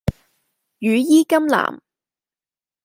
羽衣甘藍